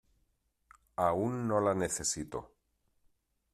Aún no la necesito.